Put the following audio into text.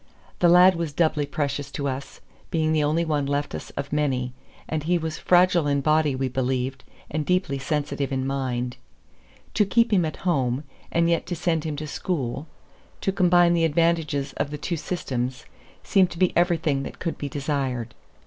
The lad was doubly precious to us, being the only one left us of many; and he was fragile in body, we believed, and deeply sensitive in mind. To keep him at home, and yet to send him to school, to combine the advantages of the two systems, seemed to be everything that could be desired.